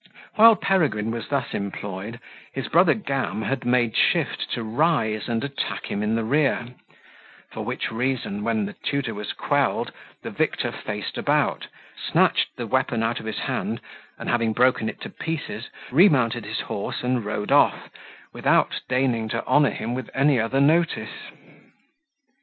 While Peregrine was thus employed, his brother Gam had made shift to rise and attack him in the rear; for which reason, when the tutor was quelled, the victor faced about, snatched the weapon out of his hand, and having broken it to pieces, remounted his horse and rode off, without deigning to honour him with any other notice.